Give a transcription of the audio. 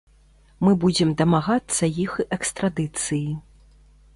Мы будзем дамагацца іх экстрадыцыі.